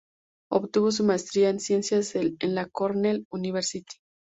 Obtuvo su maestría en ciencias en la Cornell University.